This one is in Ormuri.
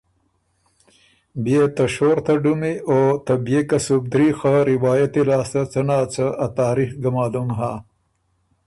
بيې ته شور ته ډُمی او ته بيې کسُبدري خه روائتی لاسته څۀ نا څۀ ا تاریخ ګۀ معلوم هۀ